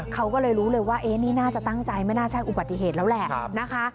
เขาก็เลยรู้เลยว่านี่น่าจะตั้งใจไม่น่าใช่อุบัติเหตุแล้วแหละนะคะ